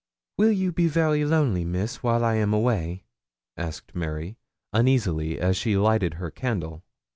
'Will you be very lonely, Miss, while I am away?' asked Mary, uneasily, as she lighted her candle.